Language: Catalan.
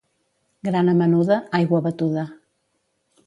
Grana menuda, aigua batuda.